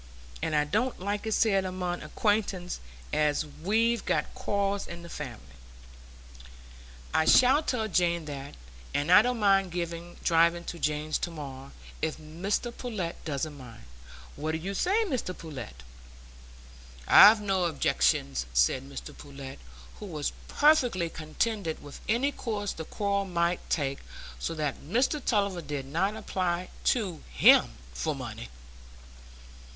And I don't like it said among acquaintance as we've got quarrels in the family. I shall tell Jane that; and I don't mind driving to Jane's tomorrow, if Pullet doesn't mind. What do you say, Mr Pullet?" "I've no objections," said Mr Pullet, who was perfectly contented with any course the quarrel might take, so that Mr Tulliver did not apply to him for money.